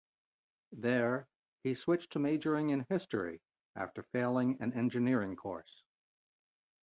There, he switched to majoring in History after failing an engineering course.